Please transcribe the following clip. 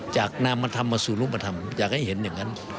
นำมาทำมาสู่รูปธรรมอยากให้เห็นอย่างนั้น